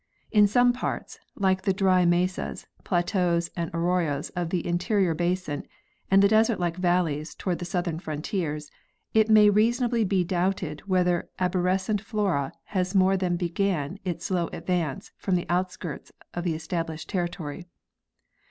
Insome parts, like the dry mesas, plateaus and arroyos of the interior basin, and the desert like valleys toward the southern frontiers, it may reasonably be doubted whether arborescent flora has more than begun its slow advance from the outskirts of the established territory.